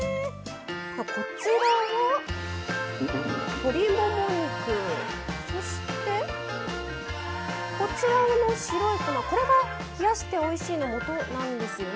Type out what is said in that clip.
こちらは鶏もも肉そしてこちらの白い粉これが冷やしておいしいのもとなんですよね。